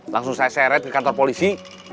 langsung saya seret ke kantor polisi